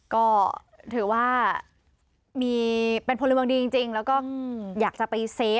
ก็ถือว่ามีเป็นพลเมืองดีจริงแล้วก็อยากจะไปเซฟ